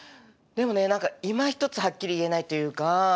でもね何かいまひとつはっきり言えないというか。